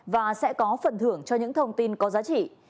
và sẽ có phần thưởng cho những thông tin có giá trị